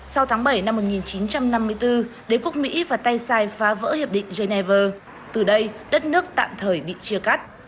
sau tháng bảy năm một nghìn chín trăm năm mươi bốn đế quốc mỹ và tây sai phá vỡ hiệp định geneva từ đây đất nước tạm thời bị chia cắt